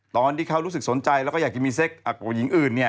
ตอนที่เขารู้สึกสนใจแล้วก็อยากจะมีเซ็กหญิงอื่น